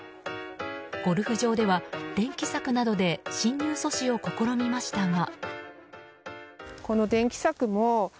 ゴルフ場では、電気柵などで侵入阻止を試みましたが。